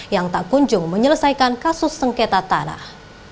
yang tak kunjung menyelesaikan kasus sengketa tanah